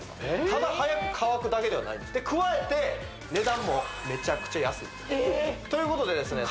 ただ早く乾くだけではないですで加えて値段もメチャクチャ安いということでですね